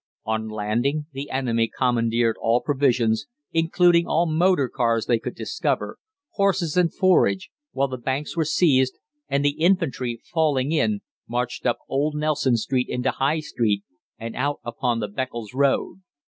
On landing, the enemy commandeered all provisions, including all motor cars they could discover, horses and forage, while the banks were seized, and the infantry, falling in marched up Old Nelson Street into High Street, and out upon the Beccles Road.